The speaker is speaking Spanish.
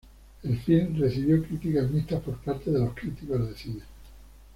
El filme recibió críticas mixtas por parte de los críticos de cine.